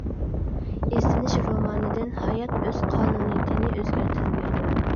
‹ئىزدىنىش› رومانىدىن ھايات ئۆز قانۇنىيىتىنى ئۆزگەرتەلمەيدۇ.